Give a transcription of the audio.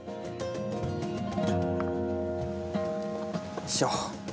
よいしょ！